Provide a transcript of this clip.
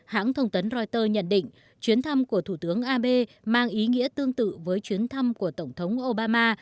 hãng thông tấn reuters nhận định chuyến thăm của thủ tướng abe mang ý nghĩa tương tự với chuyến thăm của tổng thống obama